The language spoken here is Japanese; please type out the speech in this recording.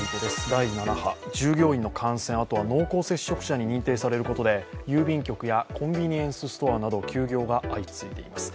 第７波従業員の感染、あとは濃厚接触者に認定されることで郵便局やコンビニエンスストアなど休業が相次いでいます。